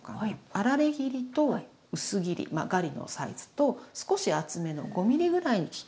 あられ切りと薄切りまあガリのサイズと少し厚めの５ｍｍぐらいに切ったものを。